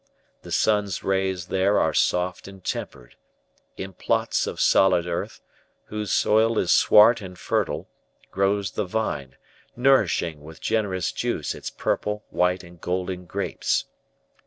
The sun's rays there are soft and tempered: in plots of solid earth, whose soil is swart and fertile, grows the vine, nourishing with generous juice its purple, white, and golden grapes.